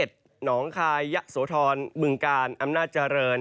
หนองคายยะโสธรบึงกาลอำนาจเจริญ